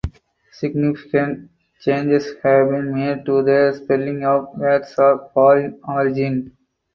Significant changes have been made to the spelling of words of foreign origin.